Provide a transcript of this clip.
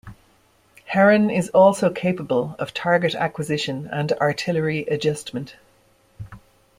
Heron is also capable of target acquisition and artillery adjustment.